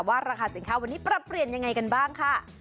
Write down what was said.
ราคาสินค้าวันนี้ปรับเปลี่ยนยังไงกันบ้างค่ะ